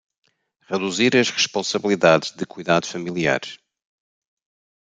Reduzir as responsabilidades de cuidados familiares